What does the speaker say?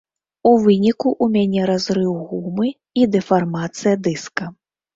У выніку, у мяне разрыў гумы і дэфармацыя дыска.